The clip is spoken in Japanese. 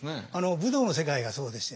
武道の世界がそうでしてね